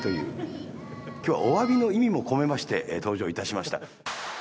今日はおわびの意味も込めまして登場いたしました。